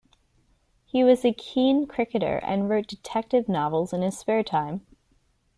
He was a keen cricketer and wrote detective novels in his spare time.